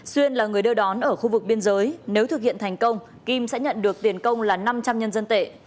xuyên là người đưa đón ở khu vực biên giới nếu thực hiện thành công kim sẽ nhận được tiền công là năm trăm linh nhân dân tệ